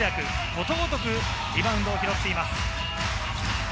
ことごとくリバウンドを拾っています。